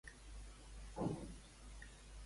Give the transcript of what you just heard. He quedat demà de tres a quatre?